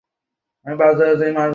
আমার আঙ্কেল বেনকে খুন করা হয়েছিল।